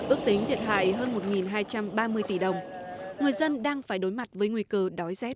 ước tính thiệt hại hơn một hai trăm ba mươi tỷ đồng người dân đang phải đối mặt với nguy cơ đói rét